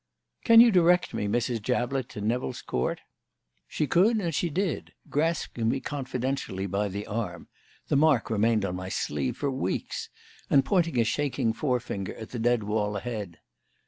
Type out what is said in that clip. "Can you direct me, Mrs. Jablett, to Nevill's Court?" She could and she did, grasping me confidentially by the arm (the mark remained on my sleeve for weeks) and pointing a shaking forefinger at the dead wall ahead.